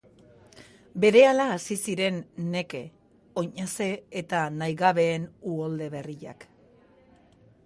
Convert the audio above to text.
Berehala hasi ziren neke, oinaze eta nahigabeen uholde berriak.